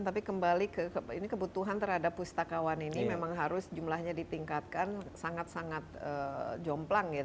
tapi kembali ke ini kebutuhan terhadap pustakawan ini memang harus jumlahnya ditingkatkan sangat sangat jomplang ya